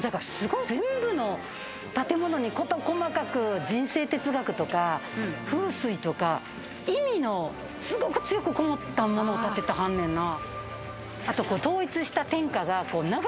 全部の建物に事細かく人生哲学とか風水とか意味のすごく、強くこもった物を建ててはんねんなぁ。